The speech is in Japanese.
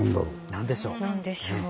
何でしょう？